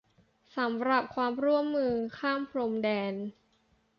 สำหรับความร่วมมือข้ามพรมแดน